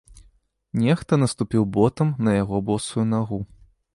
Нехта наступіў ботам на яго босую нагу.